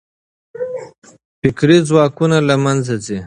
فکري ځواکونه له منځه ځي.